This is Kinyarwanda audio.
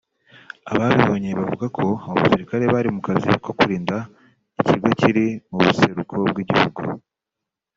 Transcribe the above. Ababibonye bavuga ko abo basirikare bari mu kazi ko kurinda ikigo kiri mu buseruko bw'igihugu